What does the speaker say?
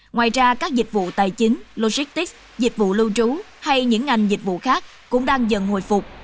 ngoài ra các dịch vụ tài chính logistics dịch vụ lưu trú hay những ngành dịch vụ khác cũng đang dần hồi phục